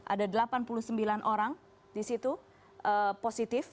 ada delapan puluh sembilan orang di situ positif